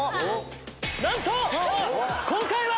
なんと今回は！